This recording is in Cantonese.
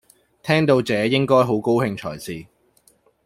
聽到這應該好高興才是